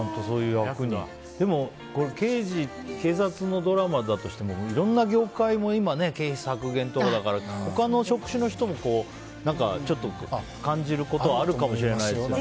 でも、警察のドラマだとしてもいろんな業界も今経費削減とかだから他の職種の人も感じることはあるかもしれないですよね。